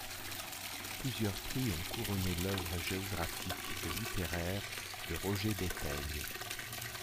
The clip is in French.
Plusieurs prix ont couronné l’œuvre géographique et littéraire de Roger Béteille.